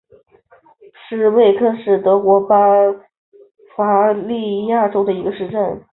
施魏根是德国巴伐利亚州的一个市镇。